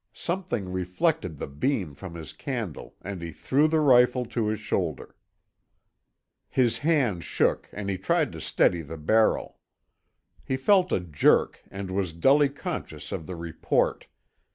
Something reflected the beam from his candle and he threw the rifle to his shoulder. His hand shook and he tried to steady the barrel. He felt a jerk and was dully conscious of the report.